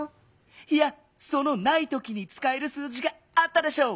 いやその「ないとき」につかえる数字があったでしょう？